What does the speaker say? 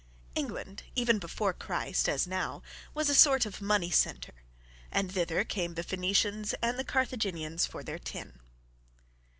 England even before Christ, as now, was a sort of money centre, and thither came the Phoenicians and the Carthaginians for their tin.